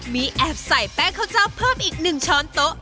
มีแอบใส่แป้งข้าวเจ้าเพิ่มอีก๑ช้อนโต๊ะ